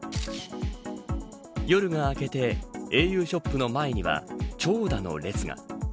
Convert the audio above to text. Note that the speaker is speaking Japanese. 夜が明けてａｕショップの前には長蛇の列が。